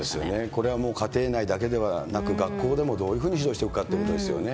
これはもう家庭内だけではなく、学校でもどういうふうに指導していくかということですよね。